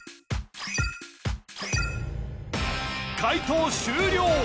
解答終了